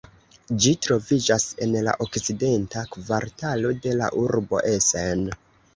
Ĝi troviĝas en la Okcidenta Kvartalo de la urbo Essen.